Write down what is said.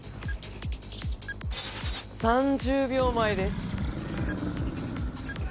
３０秒前です。